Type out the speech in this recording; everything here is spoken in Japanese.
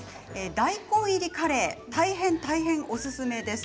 大根入りカレー大変大変、おすすめです。